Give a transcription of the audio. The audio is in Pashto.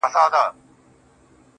سیاه پوسي ده، ورځ نه ده شپه ده~